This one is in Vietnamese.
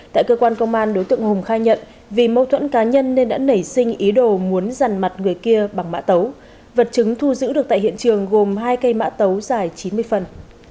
tại cơ quan công an đối tượng hùng khai nhận vì mâu thuẫn cá nhân nên đã nảy sinh ý đồ muốn dàn mặt người kia bằng mã tấu vật chứng thu giữ được tại hiện trường gồm hai cây mã tấu dài chín mươi phần